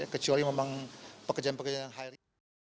kecuali memang pekerjaan pekerjaan yang hiring